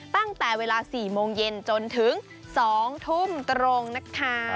ตั้งแต่เวลา๔โมงเย็นจนถึง๒ทุ่มตรงนะคะ